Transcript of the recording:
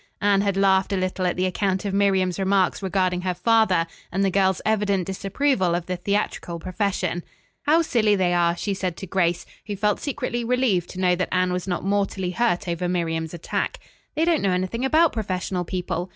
Anne had laughed a little at the account of Miriam's remarks regarding her father, and the girls' evident disapproval of the theatrical profession. "How silly they are," she said to Grace, who felt secretly relieved to know that Anne was not mortally hurt over Miriam's attack. "They don't know anything about professional people.